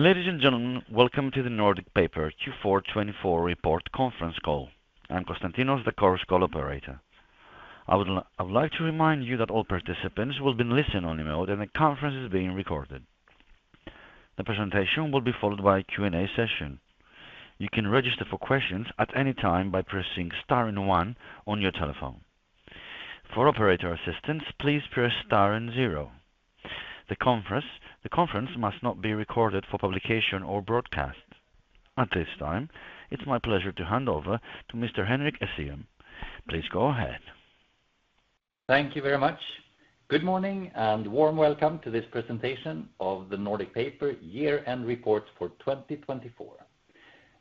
Ladies and gentlemen, welcome to the Nordic Paper Q4-24 report conference call. I'm Konstantinos, the Chorus Call operator. I would like to remind you that all participants will be in listen-only mode, and the conference is being recorded. The presentation will be followed by a Q&A session. You can register for questions at any time by pressing star 1 on your telephone. For operator assistance, please press star 0. The conference must not be recorded for publication or broadcast. At this time, it's my pleasure to hand over to Mr. Henrik Essén. Please go ahead. Thank you very much. Good morning and warm welcome to this presentation of the Nordic Paper Year-End Report for 2024.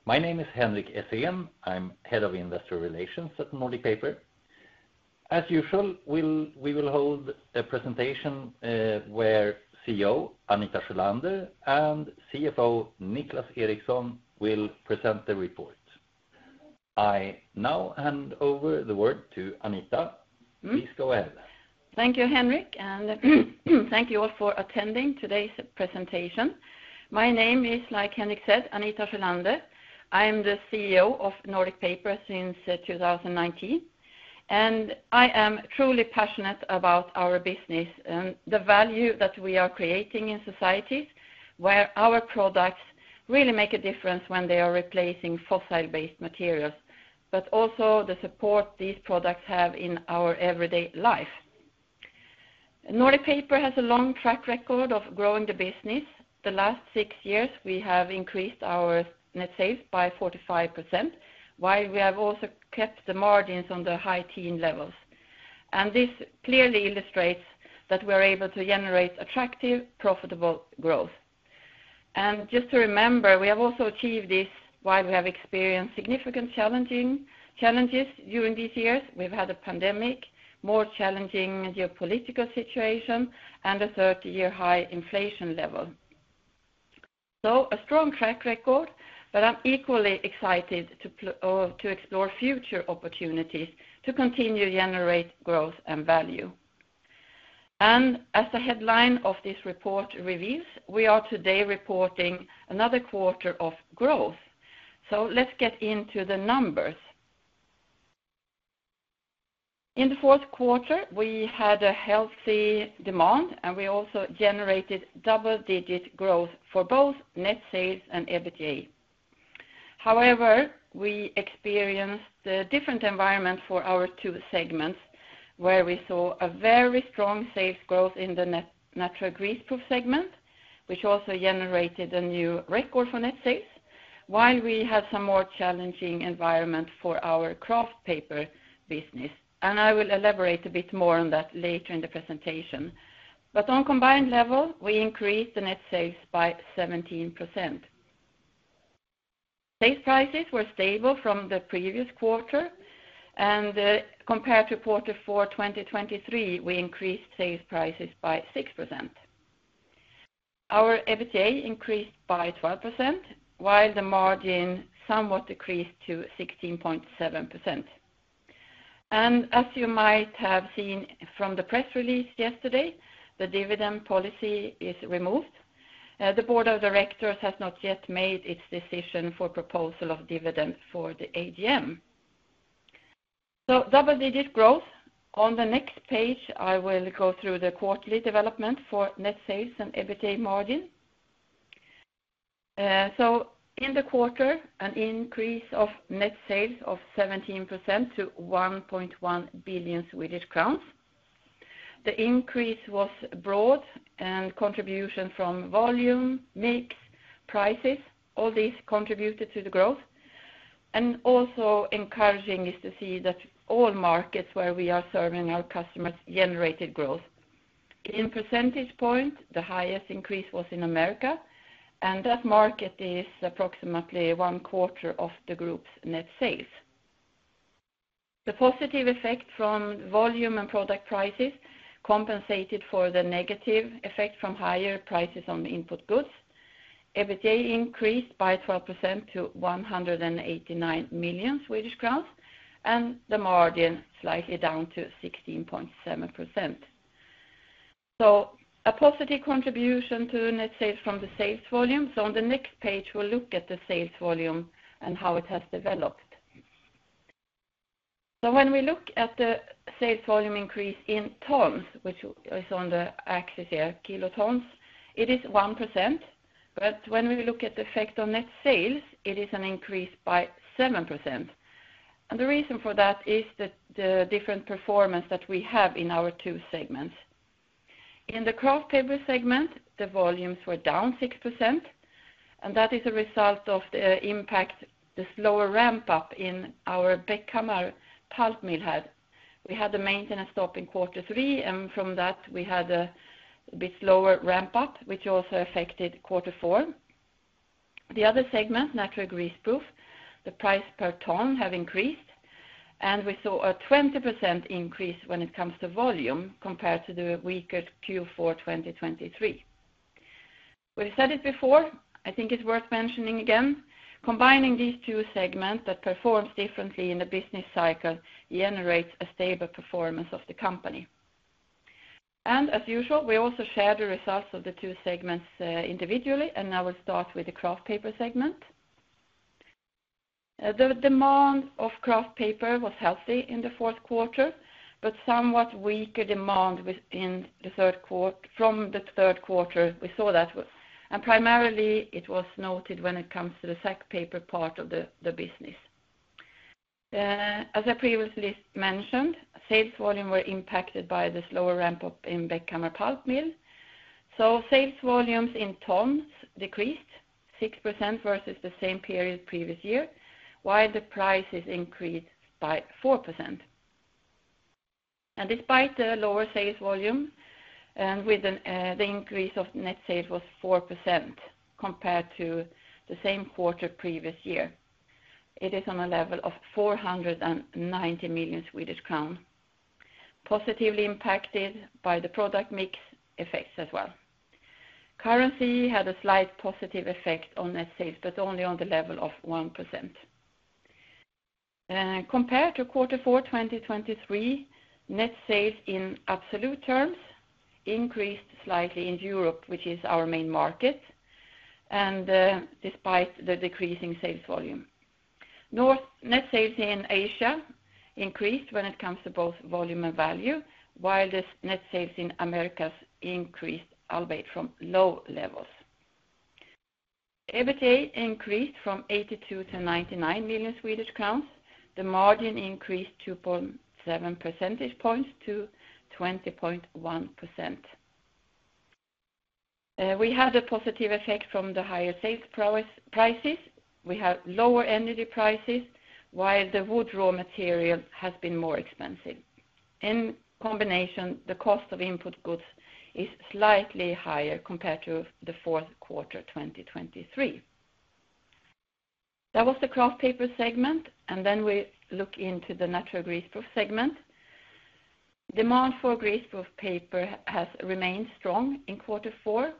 My name is Henrik Essén. I'm Head of Investor Relations at Nordic Paper. As usual, we will hold a presentation where CEO Anita Sjölander and CFO Niclas Eriksson will present the report. I now hand over the word to Anita. Please go ahead. Thank you, Henrik, and thank you all for attending today's presentation. My name is, like Henrik said, Anita Sjölander. I am the CEO of Nordic Paper since 2019, and I am truly passionate about our business and the value that we are creating in societies where our products really make a difference when they are replacing fossil-based materials, but also the support these products have in our everyday life. Nordic Paper has a long track record of growing the business. The last six years, we have increased our net sales by 45%, while we have also kept the margins on the high teen levels. And just to remember, we have also achieved this while we have experienced significant challenges during these years. We've had a pandemic, more challenging geopolitical situation, and a 30-year high inflation level. A strong track record, but I'm equally excited to explore future opportunities to continue to generate growth and value. As the headline of this report reveals, we are today reporting another quarter of growth. Let's get into the numbers. In the fourth quarter, we had a healthy demand, and we also generated double-digit growth for both net sales and EBITDA. However, we experienced a different environment for our two segments, where we saw a very strong sales growth in the natural greaseproof segment, which also generated a new record for net sales, while we had some more challenging environment for our kraft paper business. And I will elaborate a bit more on that later in the presentation. On a combined level, we increased the net sales by 17%. Sales prices were stable from the previous quarter, and compared to quarter four 2023, we increased sales prices by 6%. Our EBITDA increased by 12%, while the margin somewhat decreased to 16.7%. And as you might have seen from the press release yesterday, the dividend policy is removed. The board of directors has not yet made its decision for the proposal of dividend for the AGM. So, double-digit growth. On the next page, I will go through the quarterly development for net sales and EBITDA margin. So, in the quarter, an increase of net sales of 17% to 1.1 billion Swedish crowns. The increase was broad, and contributions from volume, mix, prices, all these contributed to the growth. And also encouraging is to see that all markets where we are serving our customers generated growth. In percentage points, the highest increase was in America, and that market is approximately one quarter of the group's net sales. The positive effect from volume and product prices compensated for the negative effect from higher prices on input goods. EBITDA increased by 12% to 189 million Swedish crowns, and the margin slightly down to 16.7%, so a positive contribution to net sales from the sales volume, so on the next page, we'll look at the sales volume and how it has developed, so when we look at the sales volume increase in tons, which is on the axis here, kilotons, it is 1%. But when we look at the effect on net sales, it is an increase by 7%. And the reason for that is the different performance that we have in our two segments. In the kraft paper segment, the volumes were down 6%, and that is a result of the impact, the slower ramp-up in our Bäckhammar pulp mill. We had the maintenance stop in quarter three, and from that, we had a bit slower ramp-up, which also affected quarter four. The other segment, natural greaseproof paper, the price per ton has increased, and we saw a 20% increase when it comes to volume compared to the weaker Q4 2023. We've said it before. I think it's worth mentioning again. Combining these two segments that performed differently in the business cycle generates a stable performance of the company, and as usual, we also shared the results of the two segments individually, and I will start with the kraft paper segment. The demand of kraft paper was healthy in the fourth quarter, but somewhat weaker demand from the third quarter. We saw that, and primarily it was noted when it comes to the sack paper part of the business. As I previously mentioned, sales volume were impacted by the slower ramp-up in Bäckhammar pulp mill. So, sales volumes in tons decreased 6% versus the same period previous year, while the prices increased by 4%. And despite the lower sales volume, the increase of net sales was 4% compared to the same quarter previous year. It is on a level of 490 million Swedish crowns, positively impacted by the product mix effects as well. Currency had a slight positive effect on net sales, but only on the level of 1%. Compared to quarter four 2023, net sales in absolute terms increased slightly in Europe, which is our main market, and despite the decreasing sales volume. Net sales in Asia increased when it comes to both volume and value, while the net sales in America increased away from low levels. EBITDA increased from 82 million to 99 million Swedish crowns. The margin increased 2.7 percentage points to 20.1%. We had a positive effect from the higher sales prices. We had lower energy prices, while the wood raw material has been more expensive. In combination, the cost of input goods is slightly higher compared to the fourth quarter 2023. That was the kraft paper segment, and then we look into the natural greaseproof segment. Demand for greaseproof paper has remained strong in quarter four,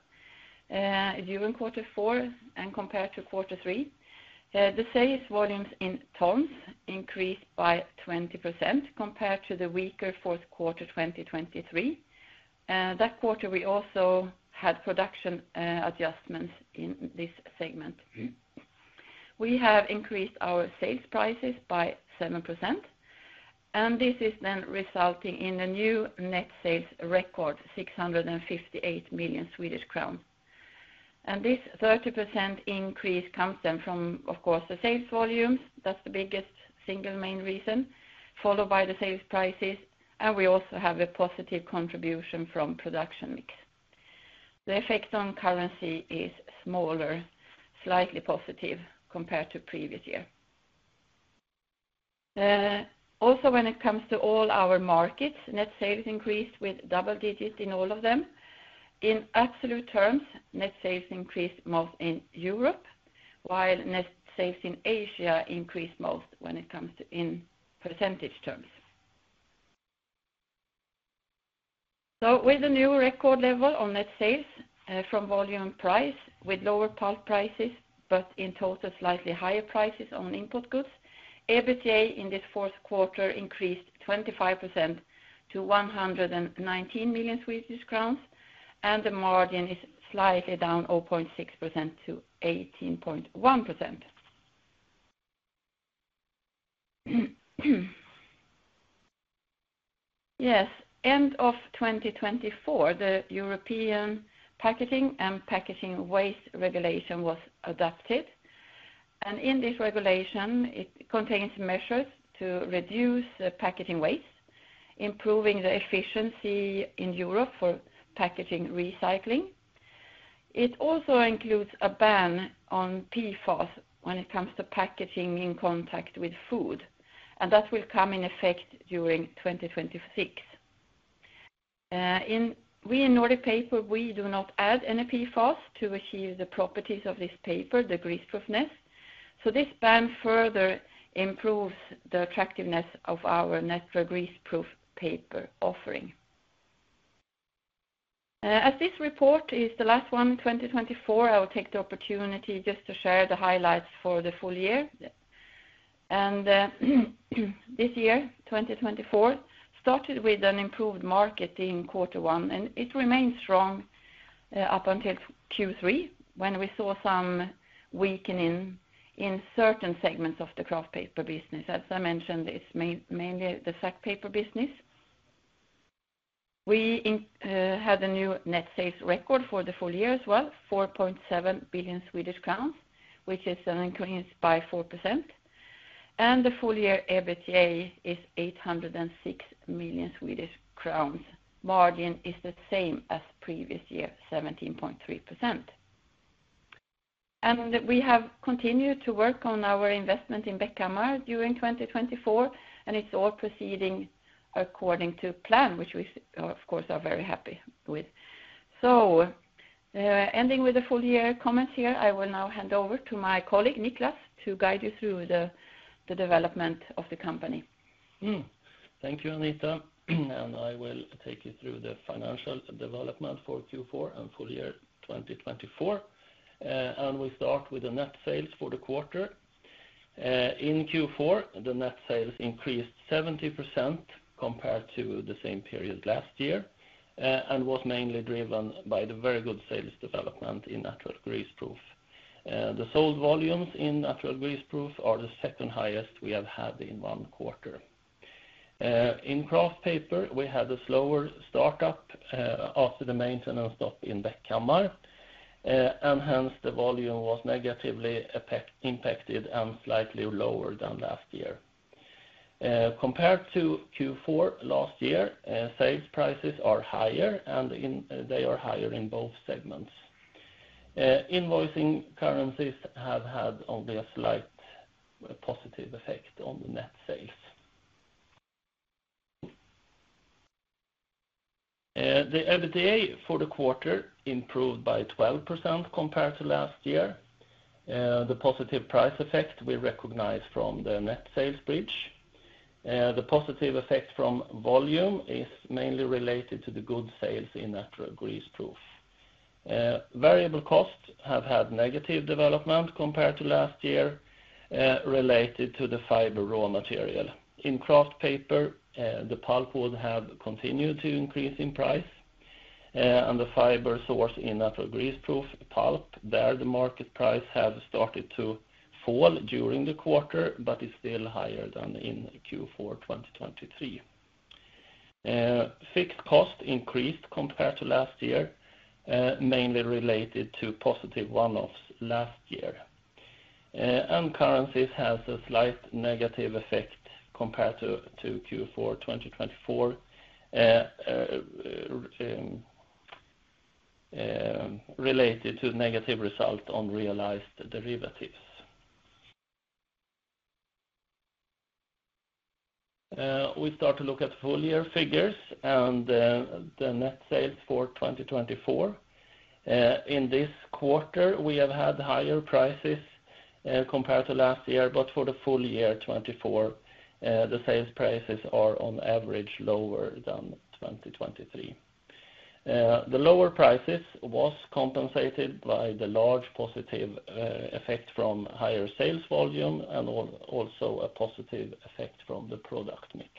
during quarter four, and compared to quarter three. The sales volumes in tons increased by 20% compared to the weaker fourth quarter 2023. That quarter, we also had production adjustments in this segment. We have increased our sales prices by 7%, and this is then resulting in a new net sales record, 658 million Swedish crowns. And this 30% increase comes then from, of course, the sales volumes. That's the biggest single main reason, followed by the sales prices, and we also have a positive contribution from production mix. The effect on currency is smaller, slightly positive compared to previous year. Also, when it comes to all our markets, net sales increased with double digits in all of them. In absolute terms, net sales increased most in Europe, while net sales in Asia increased most when it comes to in percentage terms. With a new record level on net sales from volume and price, with lower pulp prices, but in total slightly higher prices on input goods, EBITDA in this fourth quarter increased 25% to 119 million Swedish crowns, and the margin is slightly down 0.6% to 18.1%. Yes, end of 2024, the European Packaging and Packaging Waste Regulation was adopted. In this regulation, it contains measures to reduce packaging waste, improving the efficiency in Europe for packaging recycling. It also includes a ban on PFAS when it comes to packaging in contact with food, and that will come in effect during 2026. We in Nordic Paper, we do not add any PFAS to achieve the properties of this paper, the greaseproofness. This ban further improves the attractiveness of our natural greaseproof paper offering. As this report is the last one in 2024, I will take the opportunity just to share the highlights for the full year. And this year, 2024, started with an improved market in quarter one, and it remained strong up until Q3, when we saw some weakening in certain segments of the kraft paper business. As I mentioned, it's mainly the sack paper business. We had a new net sales record for the full year as well, 4.7 billion Swedish crowns, which is an increase by 4%. And the full year EBITDA is 806 million Swedish crowns. Margin is the same as previous year, 17.3%. And we have continued to work on our investment in Bäckhammar during 2024, and it's all proceeding according to plan, which we, of course, are very happy with. Ending with the full year comments here, I will now hand over to my colleague Niclas to guide you through the development of the company. Thank you, Anita. I will take you through the financial development for Q4 and full year 2024. We start with the net sales for the quarter. In Q4, the net sales increased 70% compared to the same period last year and was mainly driven by the very good sales development in natural greaseproof. The sold volumes in natural greaseproof are the second highest we have had in one quarter. In kraft paper, we had a slower startup after the maintenance stop in Bäckhammar, and hence the volume was negatively impacted and slightly lower than last year. Compared to Q4 last year, sales prices are higher, and they are higher in both segments. Invoicing currencies have had only a slight positive effect on the net sales. The EBITDA for the quarter improved by 12% compared to last year. The positive price effect we recognize from the net sales bridge. The positive effect from volume is mainly related to the good sales in natural greaseproof. Variable costs have had negative development compared to last year, related to the fiber raw material. In kraft paper, the pulpwood have continued to increase in price, and the fiber source in natural greaseproof pulp, there the market price has started to fall during the quarter, but it's still higher than in Q4 2023. Fixed cost increased compared to last year, mainly related to positive one-offs last year. Currencies has a slight negative effect compared to Q4 2024, related to negative result on realized derivatives. We start to look at full year figures and the net sales for 2024. In this quarter, we have had higher prices compared to last year, but for the full year 2024, the sales prices are on average lower than 2023. The lower prices was compensated by the large positive effect from higher sales volume and also a positive effect from the product mix.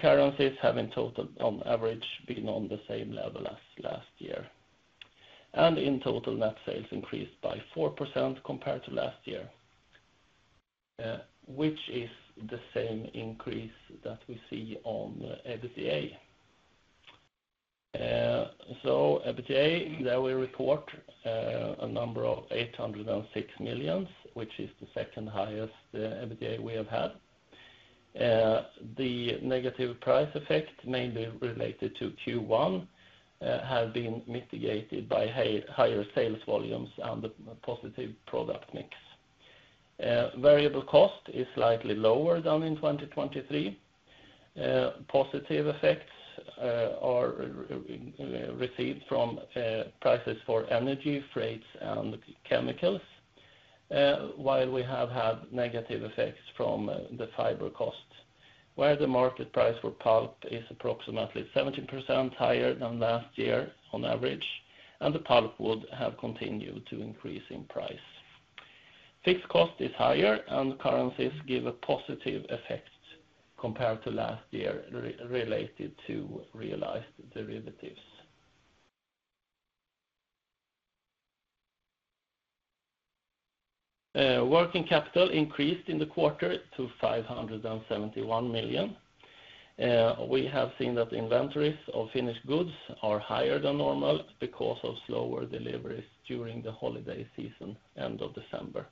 Currencies have in total, on average, been on the same level as last year. And in total, net sales increased by 4% compared to last year, which is the same increase that we see on EBITDA. So, EBITDA, there we report a number of 806 million, which is the second highest EBITDA we have had. The negative price effect, mainly related to Q1, has been mitigated by higher sales volumes and the positive product mix. Variable cost is slightly lower than in 2023. Positive effects are received from prices for energy, freights, and chemicals, while we have had negative effects from the fiber cost, where the market price for pulp is approximately 17% higher than last year on average, and the pulpwood have continued to increase in price. Fixed cost is higher, and currencies give a positive effect compared to last year related to realized derivatives. Working capital increased in the quarter to 571 million. We have seen that inventories of finished goods are higher than normal because of slower deliveries during the holiday season, end of December.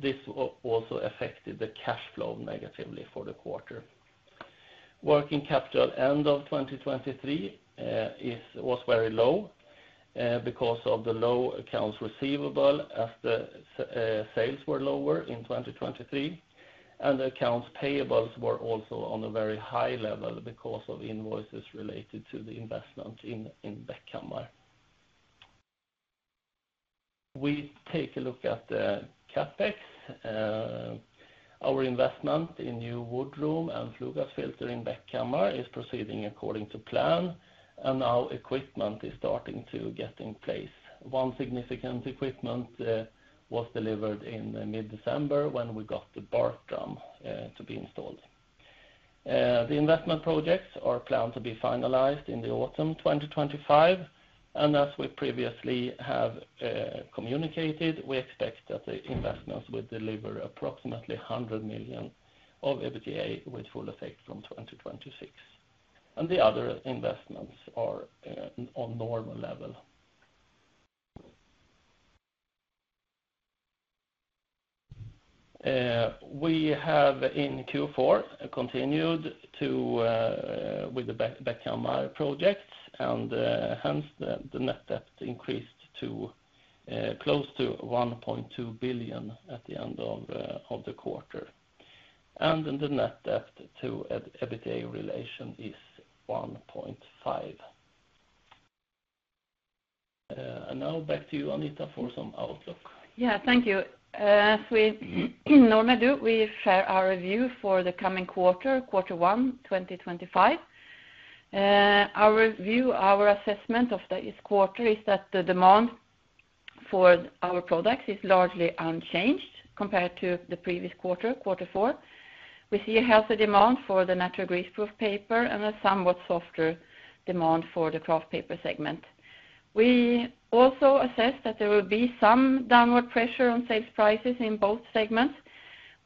This also affected the cash flow negatively for the quarter. Working capital end of 2023 was very low because of the low accounts receivable as the sales were lower in 2023, and the accounts payables were also on a very high level because of invoices related to the investment in Bäckhammar. We take a look at the CapEx. Our investment in new wood room and flue gas filter in Bäckhammar is proceeding according to plan, and now equipment is starting to get in place. One significant equipment was delivered in mid-December when we got the bark drum to be installed. The investment projects are planned to be finalized in the autumn 2025, and as we previously have communicated, we expect that the investments will deliver approximately 100 million of EBITDA with full effect from 2026. And the other investments are on normal level. We have in Q4 continued with the Bäckhammar projects, and hence the net debt increased to close to 1.2 billion at the end of the quarter. And the net debt to EBITDA relation is 1.5. And now back to you, Anita, for some outlook. Yeah, thank you. As we normally do, we share our view for the coming quarter, quarter one, 2025. Our view, our assessment of this quarter is that the demand for our products is largely unchanged compared to the previous quarter, quarter four. We see a healthy demand for the natural greaseproof paper and a somewhat softer demand for the kraft paper segment. We also assess that there will be some downward pressure on sales prices in both segments,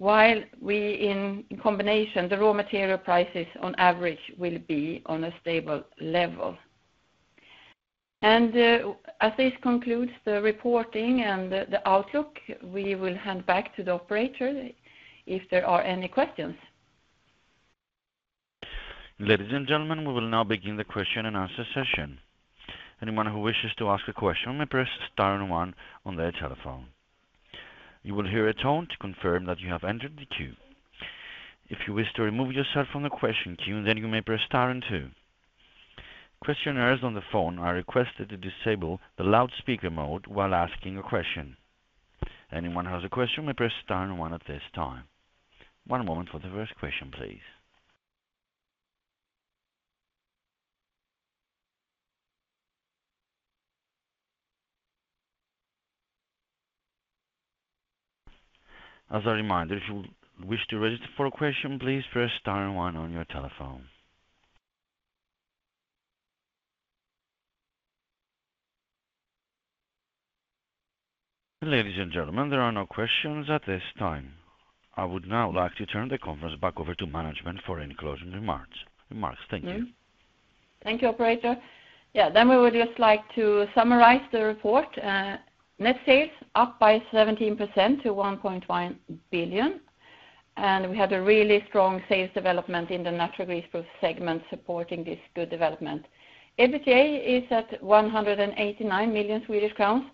while, in combination, the raw material prices on average will be on a stable level, and as this concludes the reporting and the outlook, we will hand back to the operator if there are any questions. Ladies and gentlemen, we will now begin the question and answer session. Anyone who wishes to ask a question may press star and one on their telephone. You will hear a tone to confirm that you have entered the queue. If you wish to remove yourself from the question queue, then you may press star and two. Questioners on the phone are requested to disable the loudspeaker mode while asking a question. Anyone who has a question may press star and one at this time. One moment for the first question, please. As a reminder, if you wish to register for a question, please press star and one on your telephone. Ladies and gentlemen, there are no questions at this time. I would now like to turn the conference back over to management for any closing remarks. Thank you. Thank you, operator. Yeah, then we would just like to summarize the report. Net sales up by 17% to 1.1 billion. We had a really strong sales development in the natural greaseproof segment supporting this good development. EBITDA is at 189 million Swedish crowns,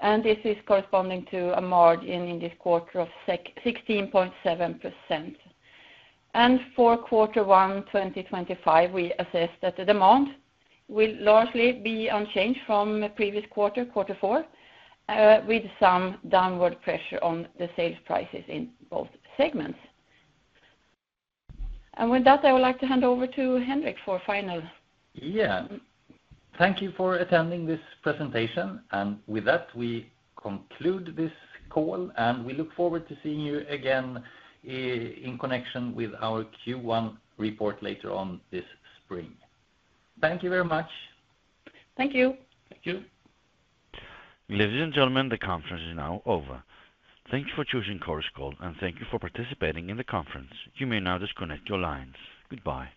and this is corresponding to a margin in this quarter of 16.7%. For quarter one, 2025, we assess that the demand will largely be unchanged from previous quarter, quarter four, with some downward pressure on the sales prices in both segments. With that, I would like to hand over to Henrik for final. Yeah. Thank you for attending this presentation. And with that, we conclude this call, and we look forward to seeing you again in connection with our Q1 report later on this spring. Thank you very much. Thank you. Thank you. Ladies and gentlemen, the conference is now over. Thank you for choosing Chorus Call, and thank you for participating in the conference. You may now disconnect your lines. Goodbye.